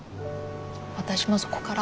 私もそこから。